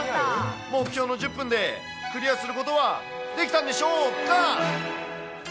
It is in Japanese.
目標の１０分でクリアすることはできたんでしょうか。